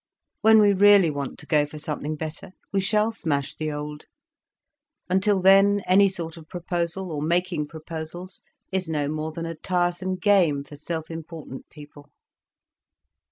"When we really want to go for something better, we shall smash the old. Until then, any sort of proposal, or making proposals, is no more than a tiresome game for self important people."